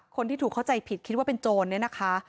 คนที่ถูกเข้าใจผิดคิดว่าเป็นโจรเนี่ยนะคะ